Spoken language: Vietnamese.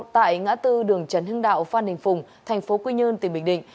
tại ngã tư đường trần hưng đạo phan đình phùng thành phố quy nhơn tỉnh bình định